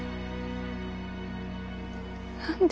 何で。